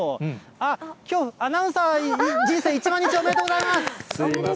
あっ、きょう、アナウンサー人生１万日、おめでとうございます。